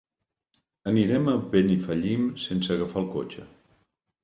Anirem a Benifallim sense agafar el cotxe.